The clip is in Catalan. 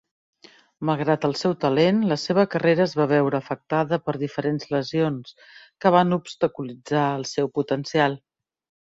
Malgrat el seu talent, la seva carrera es va veure afectada per diferents lesions, que van obstaculitzar el seu potencial.